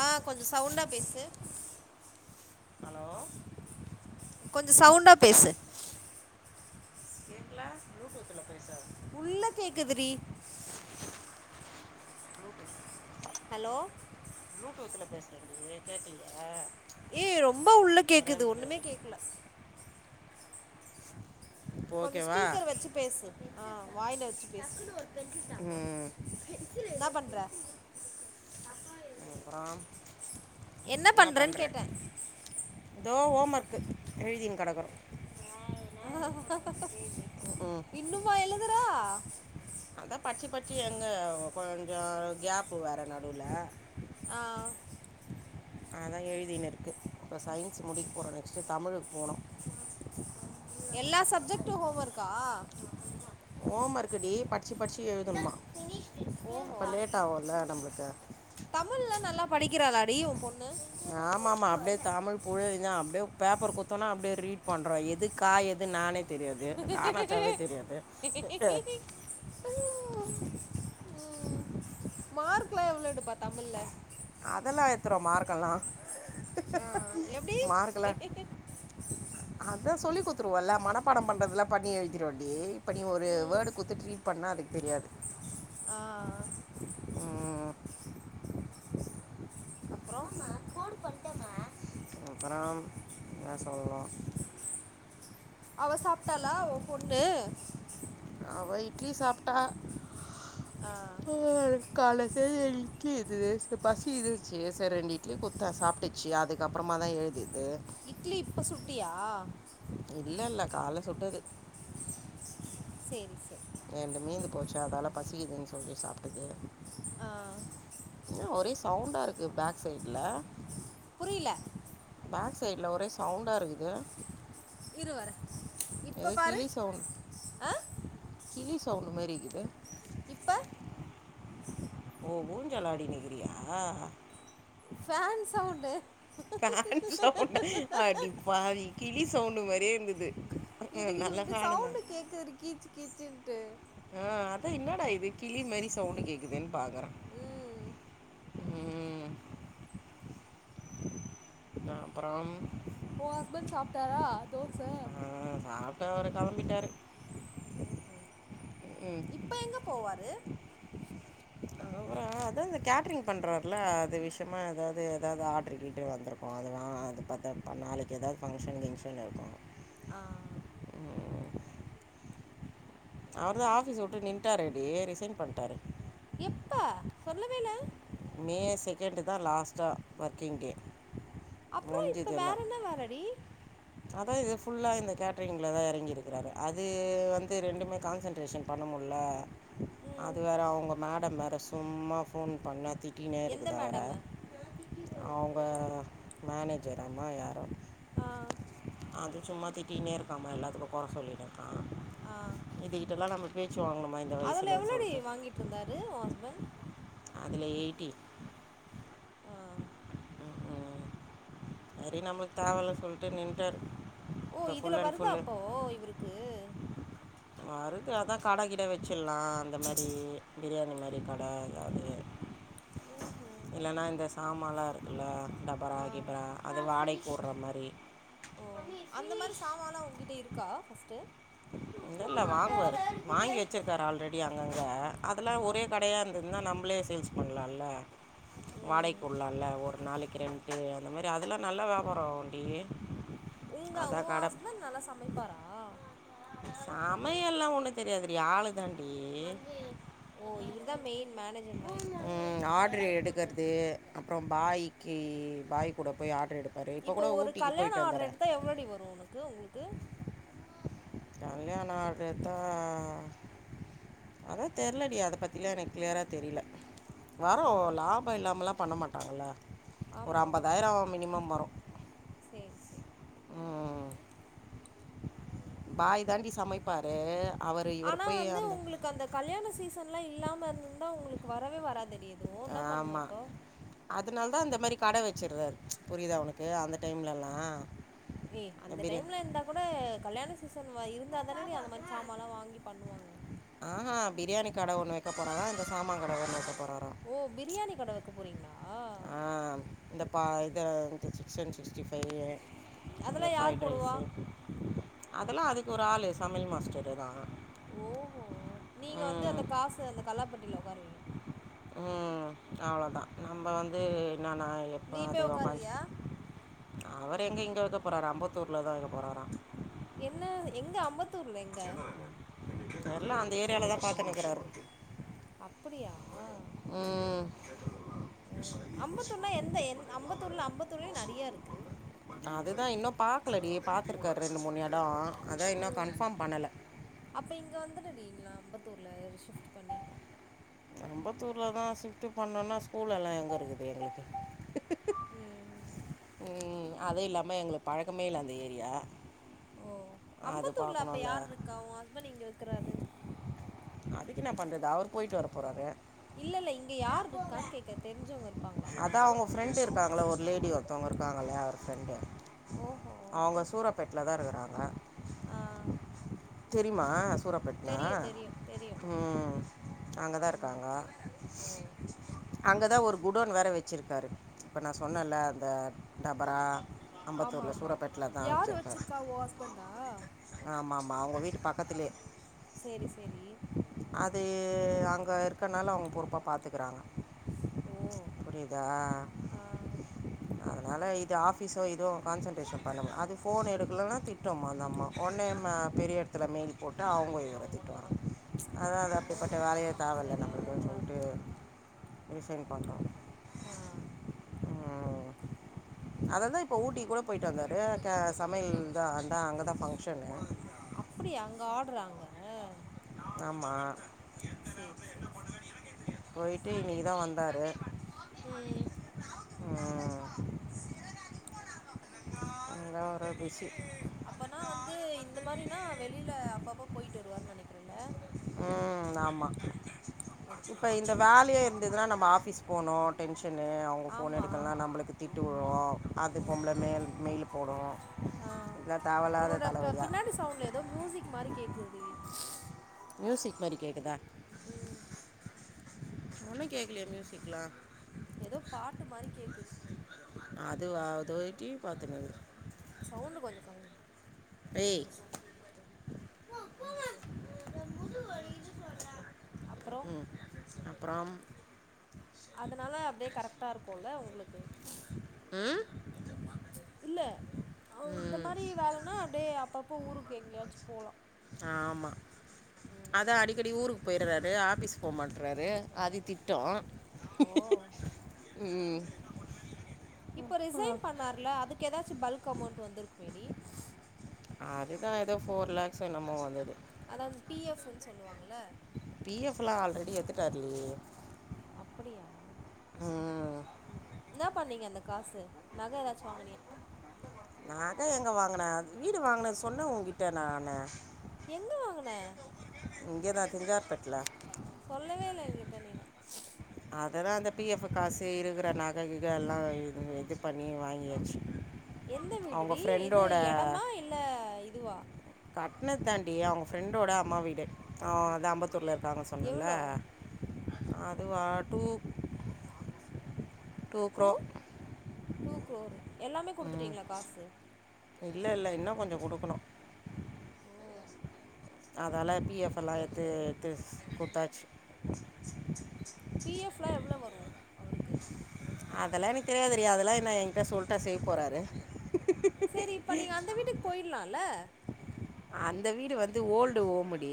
ஆ கொஞ்சோ சவுண்டா பேசு ஹலோ கொஞ்சோ சவுண்டா பேசு கேக்கல ப்ளூடூத் ல பேசு உள்ள கேட்குதுடி ஹலோ ப்ளூடூத்துல பேசறன்றியே கேக்கலையா ஏய் ரொம்ப உள்ள கேக்குது ஒன்னுமே கேட்கல இப்போ கொஞ்சோ ஓகேவா ஸ்பீக்கர் வச்சு பேசு ஆ வாய்ல வச்சு பேசு ம் என்ன பண்ற அப்புறோ என்ன பண்ணுறேன்னு பண்ற கேட்டேன் இதோ ஓம் ஒர்க்கு எழ்தினு கெடக்குறோ ம் இன்னுமா எழுதுறா அதா படிச்சி படிச்சி எங்க கொஞ்சோ கேப்பு வேற நடுவுல ஆ அதுதா எழுதினு இருக்கு இப்ப சயின்ஸ் முடிக்க போறோ நெக்ஸ்ட்டு தமிழுக்கு போனு எல்லா சப்ஜெக்ட்டு ஹோம் ஒர்க்கா ஓம் ஒர்க் டி படிச்சு படிச்சு எழுதணுமா ஓஹோ அப்போ லேட் ஆகும்ல நம்மளுக்கு தமிழ்லா நல்லா படிக்கிறாளா டி ஓன் பொண்ணு ஆமா ஆமா அப்டியே தமிழ் புழு இதா அப்டியே பேப்பர் குடுத்தோனா அப்டியே ரீட் பண்றா எது கா எது நா னே தெரியாது ஒரு காணாச்சாவே தெரியாது ம் மார்க்லா எவ்ளோ எடுப்பா தமிழ்ல அதெல்லா எடுத்துருவா மார்க்கெல்லா ஆ எப்படி மார்க்குலா எ- அதா சொல்லி குடுத்துருவோம்ல்ல மனப்பாடோ பண்றதுல்லா பண்ணி எழுதிருவா டி இப்டி ஒரு ம். வேர்டு குடுத்து ட்ரீட் பண்ணா அது தெரியாது அ ஆ ம், அப்பறோ அப்பறோ என்ன சொல்லனு அவ சாப்பிட்டாலா ஓன் பொண்ணு அவ இட்லி சாப்பிட்டா ஆ கால்ல செஞ்ச இட்லி இருந்தது இது பசி இந்துச்சு சேரி ரெண்டு இட்லி குத்தே சாப்பிட்டுச்சு அதுக் அதுக்கப்பறமா தா எழ்திது இட்லி இப்ப சுட்டியா இல்லல்ல கால்ல சுட்டது சேரி சேரி ரெண்டு மீந்து போச்சு அதால பசிக்குதுனு சொல்லி சாப்பிடுது ஆ என்ன ஒரே சவுண்டா இருக்கு பேக் சைட்ல புரியில பேக் சைட்ல ஒரே சவுண்டா இருக்குது இரு வர்ரே எதோ கிளி சவுண்ட் ஆ கிளி சவுண்ட் மாரி இக்குது இப்ப ஓ ஊஞ்சலாடினிகிறீயா ஃபேன் சவுண்டு ஃபேன் சவுண்டா அடி பாவி கிளி சவுண்டு மாரி இருந்தது ம், இதுக்கு நல்ல இப்டி ஃபேனு தான் சவுண்ட்டு கேக்குது டி கீச்சு கீச்சுன்ட்டு ஆ அதா என்னடா இது கிளி மேரி சவுண்ட் கேக்குதேன் பாக்கறே ம் அ அப்பறோ ஓ ஹஸ்பண்ட் சாப்ட்டாரா தோச ஆ சாப்ட்டு அவரு களம்பிட்டாரு ம் இப்ப எங்க போவாரு அதா அந்த கேட்ரிங் பண்ணுறருல்ல அது விஷயமா எதாவது எதாவது ஆர்ட்ரு கிர்ட்ரு வந்திருக்கு அது வா அது பாத்தா ப்ப நாளைக்கி ஏதாவது ஃபங்ஷனு கிங்ஷன்னு இருக்கு ஆ அவர்தா சேரி ஆஃபீஸ விட்டு நின்ட்டாரெடி ரிசைன் பண்ட்டாரு எப்ப சொல்லவேயில்ல மே செகண்டு தா லாஸ்ட்டா ஒர்க்கிங் டே அப்புறோ இப்ப முடிஞ்சுது எல்லா வேற என்ன வேலடி அதா இத ஃபுல்லா இந்த கேட்டரிங்ல தா எறங்கிருக்குறாரு அது வந்து ரெண்டுமே கான்சன்ட்ரேஷன் பண்ணமுல்ல ம் அது வேற அவங்க மேடம் வேற சும்மா ஃபோன் பண் எந்த ட்டினேருக்குது அவர மேடமு அவுங்க மேனேஜர் அம்மா யாரோ ஆ அது சும்மா திட்டினே இருக்காம்மா எல்லாத்துக்கு கொற சொல்லினேருக்கா ஆ இதுகிட்டல்லா நம்ம பேச்சு வாங்கனும்மா அதுல எவ்ளோடி வாங்கிட்டுருந்தாரு ஒ ஹஸ்பண்ட் அதுல எயிட்டி ஆ செரி ஓகே நம்மளுக்கு தேவல்லனு சொல்ட்டு நின்ட்டாரு ஓ இதுல வருதா அப்போ இவருக்கு வருது அதா கட கிட வச்சிர்லா அந்த மாரி பிரியாணி மாரி கட எதாவது ம் ம் இல்லன்னா இந்த சாமலா இருக்குல்ல டபரா ஆ கிபரா அது வாடைக் போட்ற மாரி ஓ அந்த மாரி சாமான்லா உங்கிட்ட இருக்கா ஃபஸ்ட்டு இல்ல வாங்குவார் வாங்கி வச்சிருக்கரு ஆல்ரெடி அங்கங்க அதெல்லா ஆ ஒரே கடையா இருந்ததுனா நம்பளே சேல்ஸ் பண்லால்ல ம் வாடைக்கி உல்லால்ல ஒரு நாளைக்கி ரெண்ட்டு அந்த மாதிரி அதெல்லா நல்லா வியாபாரோ அவுன்டி உங்க ஒ ஹஸ்பண்ட் நல்லா சமைப்பாரா சமையல்லாம் ஒண்ணு தெரியாது டி ஆளு தாண்டி ஓ இவர் தா மெயின் மேனேஜ் ம் ஆர்டரு எடுக்கறது அப்புறோ பாய்க்கி பாய் கூட போய் ஆர்டரு எடுக் இப்போ ஒரு கல்யாணோ ஆர்டர் எடுத்தா எவ்ளோடி வரு உனக்கு உங்களுக்கு கல்யாணோ ஆர்டர் எடுத்தா அதா தெர்லடி அத பத்திலா எனக்கு கிளியரா தெரில வரு ஆ லாபோ இல்லாமலா பண்ண மாட்டாங்கல்ல ஒரு ஆமா ஐம்பதாயிரோ மினிமம் வரு சேர் சேரி ம். பாய் தாண்டி சமைப்பாரு அவரு இவரு ஆனா போய் வந்து அந்த உங்களுக்கு அந்த கல்யாண சீசன்லா இல்லாம இருந்துருந்தா உங்களுக்கு வரவே வராதேடி ஆமா அதுனால தா இந்த மாரி கட வச்சிர்றாரு புரியுதா உனக்கு அந்த டைம்லல்லா ஏ அந்த டைம்ல இருந்தா கூட கல்யாண சீசன் இருந்தாதான டி அந்த மாரி சாமான்ல்லா வாங்கி பண்ணுவாங்க ஆ பிரியாணி கட ஒன்னு வைக்க போறாரா இந்த சாமா கட ஒன்னு வைக்க போறாரா ஓ பிரியாணி கட வைக்க போறீங்களா ஆ இந்த பா இத இந்த சிக்கன் சிக்ஸ்டி ஃபைவ் இந்த அதெல்லா யார் ஃப்ரைட் போடுவா ரைஸ்ஸு அதெல்லா அதுக்கு ஒரு ஆளு சமையல் மாஸ்டர்தா ஓஹோ நீங்க வந்து அந்த காசு அந்த கல்லாப்பெட்டில ஒக்காருவீங்க ம் அவ்வளதா நம்ப வந்து இன்னு நா எப்ப நீ அது போய் ஒக்காந்து உக்காருவியா அவரு எங்க இங்க வைக்க போறாரு அம்பத்தூர்லதா வைக்க போறாரா என்ன எங்க அம்பத்தூர்ல எங்க தெரில அந்த ஏரியால தா பாத்துன்னு இக்குறாரு அப்டியா ம் விவசாயி பசிப்பா அம்பத்தூர்னா எந்த எந் பட் எங்களால அம்பத்தூர்ல நோ அம்பத்தூர்லயே சொல்ல நெறையா இருக்கு விருப்போ இல்ல அதுதா இன்னு பாக்கலடி பாத்துருக்காரு ரெண்டு மூணு எடோ அதா இன்னு ம் கன்ஃபார்ம் பண்ணல அப்ப இங்க வந்துருடி இங்க அம்பத்தூர்ல ஷிஃப்ட் பண்ணி அம்பத்தூர்ல தா ஷிஃப்ட் பண்ணோன்னா ஸ்கூல் எல்லா எங்க இருக்குது எங்களுக்கு ம் ம் அதுவு இல்லாம எங்களுக்கு பழக்கமே இல்ல அந்த ஏரியா ஓ அது அம்பத்தூர்ல அப்ப பார்க்கணும்ல யார் இருக்கா ஒ ஹஸ்பண்ட் இங்க வக்கிறாரு அதுக்கு என்ன பண்றது அவரு போயிட்டு வர போறாரு இல்ல இல்ல இங்க யார் இருக்கான் கேக்கே தெரிஞ்சவங்க இருப்பாங்களா அதா அவுங்க ஃப்ரெண்டு இருக்காங்கள ஒரு லேடி ஒருத்தவங்க இருக்காங்கஇல்லயா அவரு ஃப்ரெண்டு ஓஹோ அவுங்க சூரப்பேட்ல தா இருக்குறாங்க ஆ தெரியுமா சூரப் பேட்லா தெரியு தெரியு தெரியு ம் அங்கதா ம் இருக்காங்க ஓ அங்கதா ஒரு குடோன் வேற வச்சிருக்காரு இப்ப நா சொன்னேன்ல அந்த டபரா ஆமா அம்பத்தூர்ல ஆமா சூரப்பேட்லதா யாரு வச்சிருக்காரு வச்சிருக்கா ஓ ஹஸ்பண்டா ஆமா ஆமா அவுங்க வீட்டு பக்கத்துலயே சேரி செரி அது அங்க இருக்கனால அவுங்க பொறுப்பா பாத்துக்குறாங்க ஓ புரியுதா ஆ அதனால இது ஆஃபீஸோ இதுவு கான்சன்ட்ரேஷன் பண்ண முடில அது ஃபோன் எடுக்கலனா திட்டும்மா அந்த அம்மா ஒடனேம்மா பெரிய எடத்துல மெயில் போட்டு அவுங்க இவர திட் அதா அதா ஓ அப்டிப்பட்ட வேலயே தேவ இல்ல நம்மளுக்குன் சரியானவங்களா சொல்லிட்டு இருப்பாங்க போல ரிசைன் பண்றோ ஆ அததா இப்ப ஊட்டிக் கூட போயிட்டு வந்தாரு கே சமையல் தா அதா அங்கதா பங்க்ஷனு அப்டியா அங்க ஆர்டரா அங்க ஆமா சேரி சேரி சேரி போயிட்டு இன்னைக்குதா வந்தாரு ம் ம் இந்தா ஒரு பிசி அப்பனா வந்து இந்த மாரினா வெளில அப்பப்போ போயிட்டு வருவாருன் நினைக்கிறேல ம் ஆமா ஓகே இப்ப ஓகே இந்த வேலையா இருந்ததுன்னா நம்ம ஆபிஸ் போனோ டென்ஷன்னு அவங்க ஃபோன் ஆமா எடுக்களனா நம்பளுக்கு திட்டு விழு அது பொம்பள மேல் மெயில் போடு ஆ உன்னோட பப் பின்னாடி சவுண்ட்ல ஏதோ மியூசிக் மாரி கேக்குதுவி மியூசிக் மாரி கேக்குதா ம் ஒனுமே கேக்கலையே மியூசிக்லா ஏதோ பாட்டு மாரி கேக்குது அதுவா அதோ டீவி பாத்துனுக் சவுண்டு கொஞ்ச கம்மி ஏய் [inaudible] அப்றோ ம் அப்புறம் அதனால அப்டியே கரெக்ட்டா இருக்குல உங்களுக்கு ம் இல்ல அவ இந்த ம் மாரி வேலைன்னா அப்டியே அப்பப்போ ஊருக்கு எங்கயாச்சு போலா ஆமா ம் அதா அடிக்கடி ஊருக்கு போயி றாரு ஆஃபீஸ் போக மாட்றாரு அது திட்டு ஓ ம் இப்ப ரிசைன் பண்ணாருல அதுக்கு ஏதாச்சு பல்க் அமௌண்ட்டு வந்துருக்குமேடி அதுதா ஏதோ ஃபோர் லேக்ஸ் என்னமோ வந்தது அதாவது பிஎஃப்ன்னு சொல்லுவாங்கள்ல பிஎஃப் எல்லா ஆல்ரெடி எத்துட்டாரு அப்படியா ம் என்னப் பண்ணீங்க அந்த காசு நகை ஏதாச்சு வாங்குனியா நாகை எங்க வாங்குனே வீடு வாங்கினே சொன்னே உங்கிட்ட நானு எங்க வாங்குன இங்க தா திங்கார்பட்ல சொல்லவே இல்ல எங்கிட்ட நீனு அதெல்லா அந்த பிஎஃப் காசு இருக்கிற நகைகிக எல்லா இதுங்க இது பண்ணி வாங்கியாச்சு எந்த அவங்க வீடுடி இது ஃப்ரெண்டோட எடமா இல்ல இதுவா கட்ணத் தாண்டி அவங்க ஃப்ரெண்டோட அம்மா வீடு அவ அதா அம்பத்தூர்ல இருக்காங்க சொன்னல எவ்ளோ அதுவா டூ டூ டூக் குரோரு எல்லாமே குடுத்துட்டீங்ளா காசு இல்ல இல்ல இன்ன கொஞ்ச குடுக்கணு ஓ அதலா பிஎஃப் எல்லா எத்து எத்து குடுத்தாச்சு பிஎஃப்லா எவ்ளோ வரு அவருக்கு அதெல்லா எனக்கு தெரியாது டி அதெல்லா என்ன என்ட்ட சொல்ட்டா செய்ய போறாரு சரி இப்ப நீ அந்த வீட்டுக்கு போயிலால அந்த வீடு வந்து ஓல்டு ஓம்முடி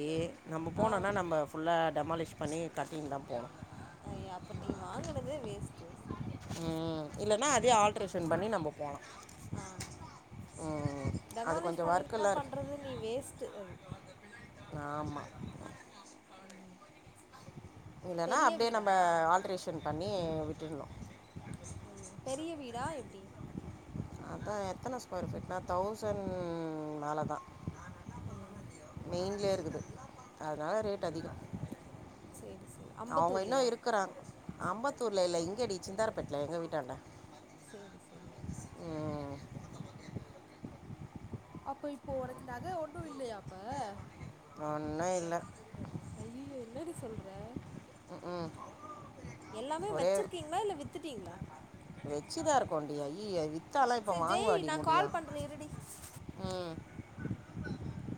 நம்ப ஆ போனோம்ன நம்ப ஃபுல்லா டெமாலிஷ் பண்ணி கட்டிங்தா போணு அய்ய அப்ப நீங்க வாங்குனதே வேஸ்ட்டு உம் இல்லனா அதயே ஆல்ட்ரேஷன் பண்ணி நம்ம போலா ஆஹ் அது டெமாலிஷ் கொஞ்சம் பண்ணினா ஒர்க்கெல்லாம் பண்றது நீ வேஸ்ட்டு அது ஆமா உம் இல்லனா அப்டியே நம்ம ஆல்ட்ரேஷன் பண்ணி விட்டுட்ணு ம் பெரிய வீடா எப்டி அதா எத்தன ஸ்கொயர் ஃபீட்னா தௌசண் மேலதா ம் மெயின்லயே இருக்குது அதனால ரேட் அதிகோ சேரி சேரி அவங்க இன்னு அம்பத்தூர்லயா இருக்குறாங் அம்பத்தூர்ல இல்ல இங்கடி சிந்தாரப்பேட்ல எங்க வீட்டாண்ட சேரி செரிங் ம் அப்ப இப்ப ஒனக்கு நக ஒண்ணு இல்லயா அப்ப ஒன்னு இல்ல ஐயயோ என்னடி சொல்ற ம் ம் எல்லாமே வச்சிருக்கீங்ளா இல்ல வித்துட்டீங்ளா வெச்சுதா இருக்கோண்டி அய்யிய வித்தாலா இப்ப சரி ஜெய் வாங்கவாடி நான் முடியு கால் பண்றேன் இருடி ம்